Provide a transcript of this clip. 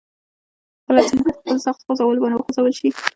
کله چې ځمکه په خپلو سختو خوځولو باندي وخوځول شي